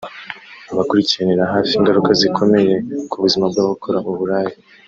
Abakurikiranira hafi ingaruka zikomeye ku buzima bw’abakora uburaya